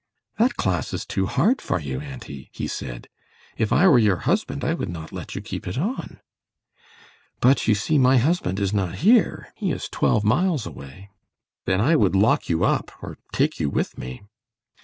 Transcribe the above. "That class is too hard for you, auntie," he said. "If I were your husband I would not let you keep it on." "But you see my husband is not here. He is twelve miles away." "Then I would lock you up, or take you with me."